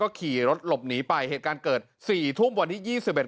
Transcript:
ขี่รถหลบหนีไปเหตุการณ์เกิดสี่ทุ่มวันที่ยี่สิบเอ็ด